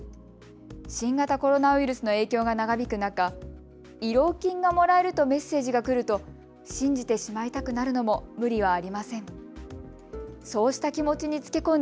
新型コロナウイルスの影響が長引く中、慰労金がもらえるとメッセージが来ると信じてしまいたくなるのも無理はありません。